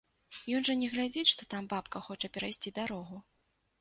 Ён жа не глядзіць, што там бабка хоча перайсці дарогу.